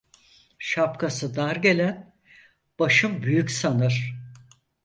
Şapkası dar gelen, başım büyük sanır.